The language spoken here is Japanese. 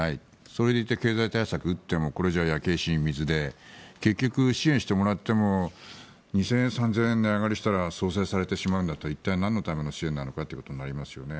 それでいて経済対策を打ってもこれじゃ焼け石に水で結局、支援してもらっても２０００円、３０００円値上がりしたら相殺されてしまうんだったら一体なんのための支援なんだということになりますよね。